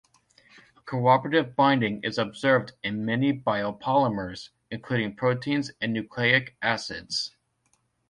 Cooperative binding is observed in many biopolymers, including proteins and nucleic acids.